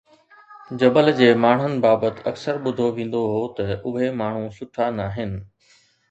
جبل جي ماڻهن بابت اڪثر ٻڌو ويندو هو ته اهي ماڻهو سٺا ناهن